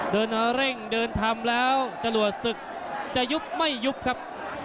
เร่งเดินทำแล้วจรวดศึกจะยุบไม่ยุบครับ